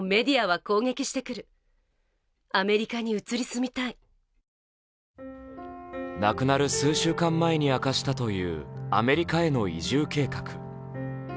それは亡くなる数週間前に明かしたというアメリカへの移住計画。